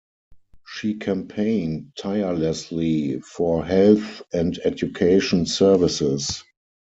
She campaigned tirelessly for health and education services.